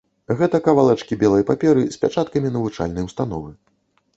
Гэта кавалачкі белай паперы з пячаткамі навучальнай установы.